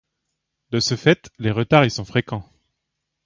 De ce fait, les retards y sont fréquents.